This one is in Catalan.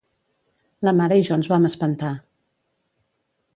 La mare i jo ens vam espantar.